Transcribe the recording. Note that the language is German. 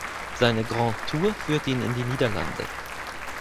Seine Grand Tour führte ihn in die Niederlande.